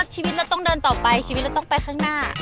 ชีวิตเราต้องเดินต่อไปชีวิตเราต้องไปข้างหน้า